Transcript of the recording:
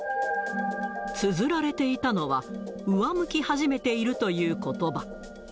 つづられていたのは、上向き始めているということば。